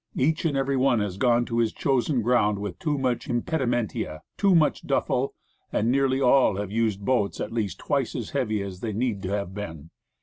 Each and every one has gone to his chosen ground with too much impedimenta, too much duffle;* and nearly all have used boats at least twice as heavy as they need to have been.